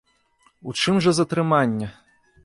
У чым жа затрыманне?